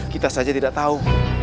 kita saja tidak tahu